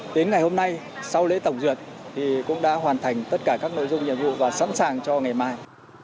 đến ngày hôm nay sau lễ tổng duyệt cũng đã hoàn thành tất cả các nội dung nhiệm vụ và sẵn sàng cho ngày mai